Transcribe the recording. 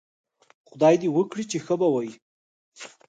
خدای دې وکړي چې ښه به وئ